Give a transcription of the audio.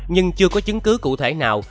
nhưng chưa có chứng cứ cụ thể nào